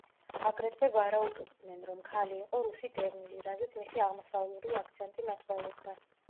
აგრეთვე ვარაუდობდნენ, რომ ქალი იყო „რუსი დევნილი“, რაზეც მისი აღმოსავლური აქცენტი მეტყველებდა.